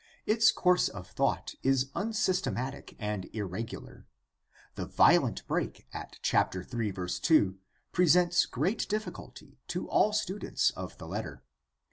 Its course of thought is unsystematic and irregular. The violent break at 3:2 pre sents great difficulty to all students of the letter.